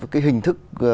cái hình thức